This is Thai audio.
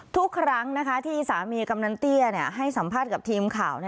ทุกครั้งที่สามีกำนันเตี้ยให้สัมภาษณ์กับทีมข่าว